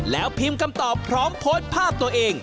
แล้วพิมพ์คำตอบพร้อมโพสต์ภาพตัวเอง